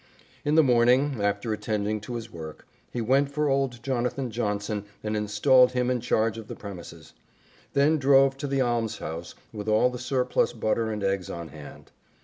In the morning, after attending to his work, he went for old Jonathan Johnson and installed him in charge of the premises; then drove to the almshouse with all the surplus butter and eggs on hand.